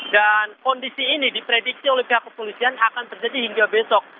dan kondisi ini diprediksi oleh pihak kepolisian akan terjadi hingga besok